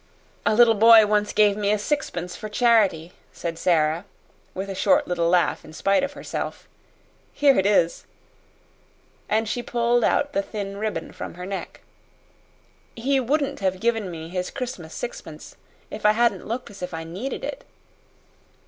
"A little boy once gave me a sixpence for charity," said Sara, with a short little laugh in spite of herself. "Here it is." And she pulled out the thin ribbon from her neck. "He wouldn't have given me his Christmas sixpence if I hadn't looked as if I needed it."